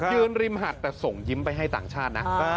ริมหัดแต่ส่งยิ้มไปให้ต่างชาตินะ